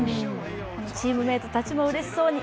チームメートたちもうれしそうに。